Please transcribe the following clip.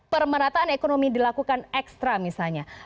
pemerataan ekonomi dilakukan ekstra misalnya